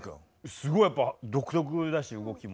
すごいやっぱ独特だし動きも。